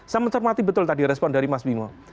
saya mencermati betul tadi respon dari mas bimo